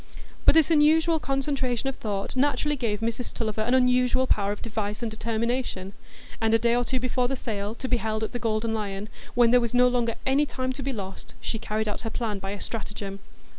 But this unusual concentration of thought naturally gave Mrs Tulliver an unusual power of device and determination: and a day or two before the sale, to be held at the Golden Lion, when there was no longer any time to be lost, she carried out her plan by a stratagem.